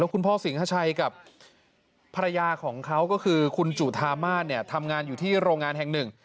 คุณพ่อสิงหาชัยกับภรรยาของเขาก็คือคุณจุธามาศเนี่ยทำงานอยู่ที่โรงงานแห่งหนึ่ง